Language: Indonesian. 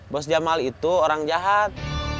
bos jamal itu orang jahat